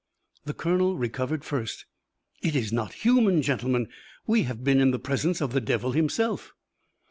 The colonel recovered first. "It is not human. Gentlemen, we have been in the presence of the devil himself."